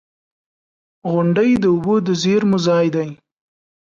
• غونډۍ د اوبو د زیرمو ځای دی.